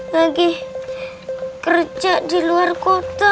lagi kerja di luar kota